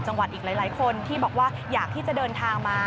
อีกหลายคนที่บอกว่าอยากที่จะเดินทางมา